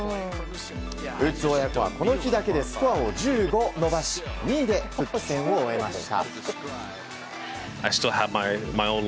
ウッズ親子はこの日だけでスコアを１５伸ばし２位で復帰戦を終えました。